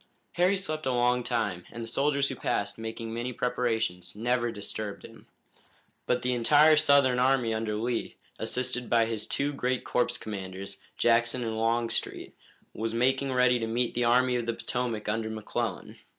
Harry slept a long time, and the soldiers who passed, making many preparations, never disturbed him. But the entire Southern army under Lee, assisted by his two great corps commanders, Jackson and Longstreet, was making ready to meet the Army of the Potomac under McClellan.